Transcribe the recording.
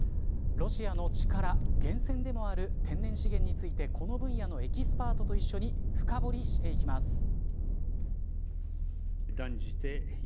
ロシアの力源泉でもある天然資源についてこの分野のエキスパートと一緒に深掘りしていきます。